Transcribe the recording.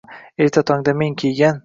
Erta tongda men kiygan